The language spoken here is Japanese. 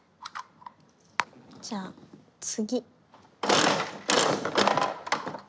じゃあ次。